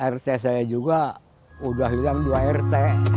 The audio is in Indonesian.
rt saya juga udah hilang dua rt